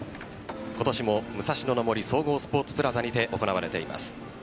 今年も武蔵野の森総合スポーツプラザにて行われています。